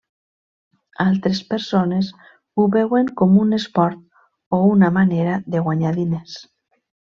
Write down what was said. Altres persones ho veuen com un esport o una manera de guanyar diners.